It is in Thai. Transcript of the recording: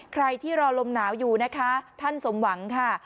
ใครที่รอลมหนาวอยู่นะคะท่านสมหวังค่ะ